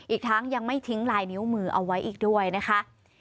อีกทั้งยังไม่ทิ้งลายนิ้วมือเอาไว้อีกด้วยนะคะ